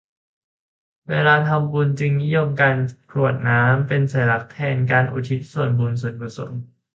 เวลาทำบุญจึงนิยมใช้การกรวดน้ำเป็นสัญลักษณ์แทนการอุทิศส่วนบุญส่วนกุศล